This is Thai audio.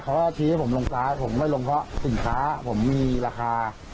เขาก็ชี้ให้ผมลงซ้ายผมไม่ลงเพราะสินค้าผมมีราคา